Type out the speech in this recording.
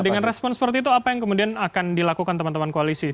dengan respon seperti itu apa yang kemudian akan dilakukan teman teman koalisi